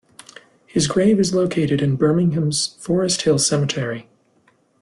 His grave is located in Birmingham's Forest Hill Cemetery.